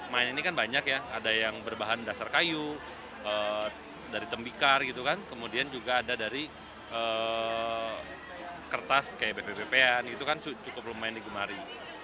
main ini kan banyak ya ada yang berbahan dasar kayu dari tembikar gitu kan kemudian juga ada dari kertas kayak bebean itu kan cukup lumayan digemari